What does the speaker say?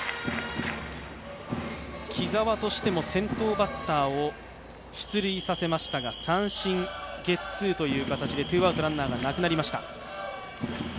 木澤としても先頭バッターを出塁させましたが三振、ゲッツーという形でツーアウトランナーがなくなりました。